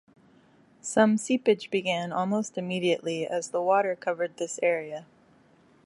Some seepage began almost immediately as the water covered this area.